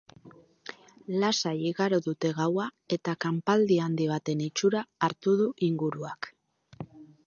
Lasai igaro dute gaua eta kanpaldi handi baten itxura hartu du inguruak.